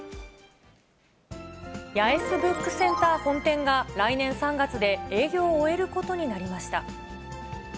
八重洲ブックセンター本店が、来年３月で営業を終えることになりました。